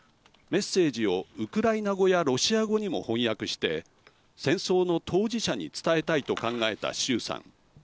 メッセージをウクライナ語やロシア語にも翻訳して戦争の当事者に伝えたいと考えた周さん。